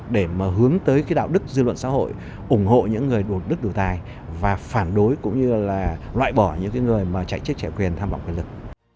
để mà hướng tới cái đạo đức dư luận xã hội ủng hộ những người đủ đức đủ tài và phản đối cũng như là loại bỏ những người mà chạy chức chạy quyền tham vọng quyền lực